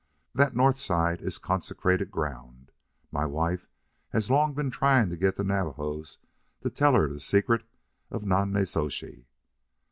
That north side is consecrated ground. My wife has long been trying to get the Navajos to tell her the secret of Nonnezoshe.